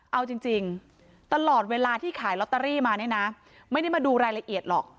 เอาจริงตลอดเวลาที่ขายลอตเตอรี่มาเนี่ยนะไม่ได้มาดูรายละเอียดหรอก